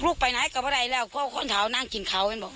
ลูกไปไหนก็ไปได้แล้วเพราะว่าคนสาวนั่งกินเขา